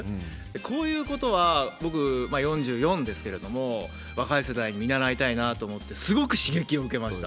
こういうことは僕、４４ですけれども、若い世代を見習いたいなと思って、すごく刺激を受けました。